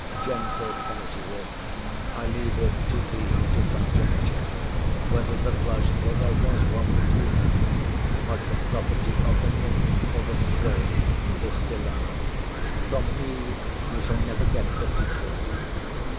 Gentle casuist, I leave it to thee to conjecture, whether the blush (for there was one between us) was the property of the nymph or the swain in this dilemma. From me you shall never get the secret.